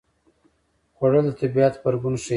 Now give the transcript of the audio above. خوړل د طبیعت غبرګون ښيي